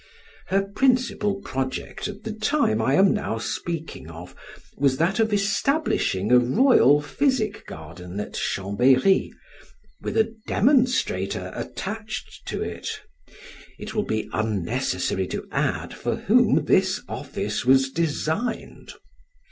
Her principal project at the time I am now speaking of was that of establishing a Royal Physical Garden at Chambery, with a Demonstrator attached to it; it will be unnecessary to add for whom this office was designed.